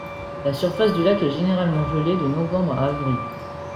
La surface du lac est généralement gelée de novembre à avril.